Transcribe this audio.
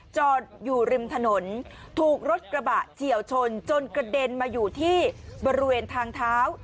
จอดอยู่ริมถนนถูกรถกระบะเฉียวชนจนกระเด็นมาอยู่ที่บริเวณทางเท้า